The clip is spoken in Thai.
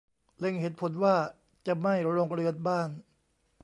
เล็งเห็นผลว่าจะไหม้โรงเรือนบ้าน